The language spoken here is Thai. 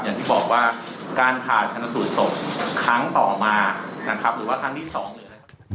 อย่างที่บอกว่าการขาดชนสูตรศพครั้งต่อมานะครับหรือว่าครั้งที่สอง